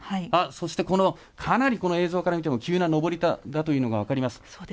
かなり映像から見ても急な上りだというのが分かります。